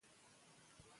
ښوونځي ګډوډ نه دی.